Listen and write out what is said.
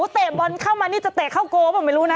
เตะบอลเข้ามานี่จะเตะเข้าโกเปล่าไม่รู้นะ